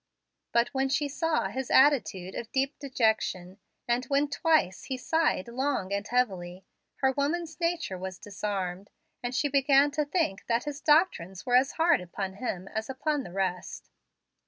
But when she saw his attitude of deep dejection, and when twice he sighed long and heavily, her woman's nature was disarmed, and she began to think that his doctrines were as hard upon him as upon the rest.